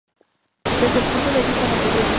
Desde el punto de vista material.